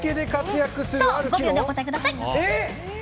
５秒でお答えください。